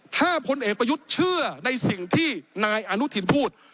ถ้าพลเอกประยุทธ์เชื่อในสิ่งที่นายอนุทินพูด